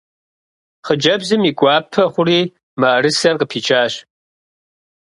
Хъыджэбзым и гуапэ хъури мыӏэрысэр къыпичащ.